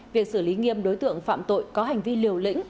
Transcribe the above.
việc xử lý nghiêm đối tượng phạm tội có hành vi liều lĩnh